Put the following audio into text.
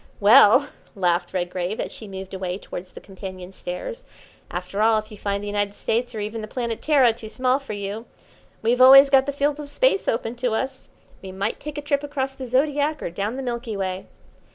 "Well," laughed Redgrave, as she moved away towards the companion stairs, "after all, if you find the United States, or even the Planet Terra, too small for you, we've always got the fields of Space open to us. We might take a trip across the Zodiac or down the Milky Way."